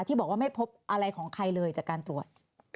ที่บอกว่าไม่พบอะไรของใครเลยจากการตรวจ